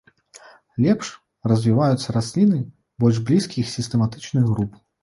Лепш развіваюцца расліны больш блізкіх сістэматычных груп.